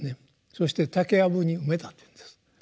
そして竹やぶに埋めたというんです。